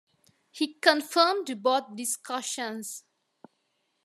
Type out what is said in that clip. He confirmed both discussions.